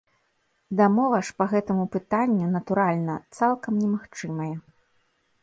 Дамова ж па гэтаму пытанню, натуральна, цалкам немагчымая.